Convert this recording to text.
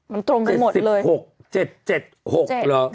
มันตรงไปหมดเลยเจ็ดสิบหกเจ็ดเจ็ดเจ็ดหกเหรอ